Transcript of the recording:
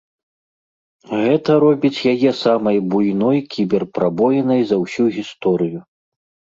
Гэта робіць яе самай буйной кібер-прабоінай за ўсю гісторыю.